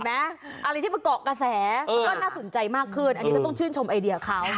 เห็นไหมอะไรที่ประเกาะกระแสก็น่าสนใจมากขึ้นอันนี้จะต้องชื่นชมไอเดียเขา